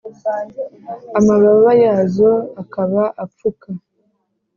amababa yazo akaba apfuka